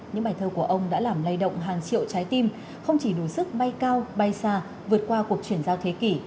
những bài thơ của ông đã làm lay động hàng triệu trái tim không chỉ đủ sức bay cao bay xa vượt qua cuộc chuyển giao thế kỷ